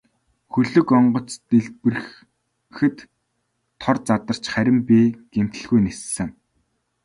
Хөлөг онгоц дэлбэрэхэд тор задарч харин би гэмтэлгүй ниссэн.